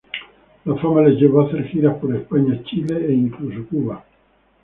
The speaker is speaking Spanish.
La fama les llevó a hacer giras por España, Chile e incluso Cuba.